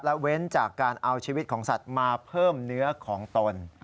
และเว้นจากการเอาชีวิตของสัตว์มาเพิ่มเนื้อของตน